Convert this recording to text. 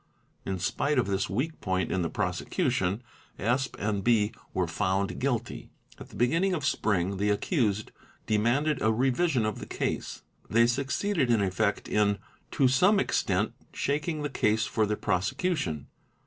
In spite of this weak point in the prosecution, Sp. & B. were found guilty. At the beginning of spring the accused demanded a revision of the case; they succeeded in effect in to some extent shaking the case for the prosecution.